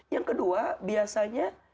yang kedua biasanya